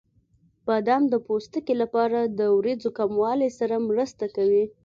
بادام د پوستکي لپاره د وریځو کموالي سره مرسته کوي.